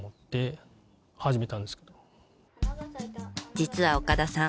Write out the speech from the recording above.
実は岡田さん